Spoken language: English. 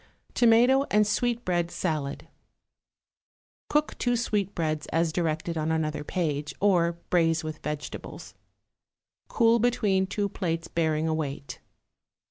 =Tomato and Sweetbread Salad.= Cook two sweetbreads as directed on another page, or braise with vegetables. Cool between two plates bearing a weight.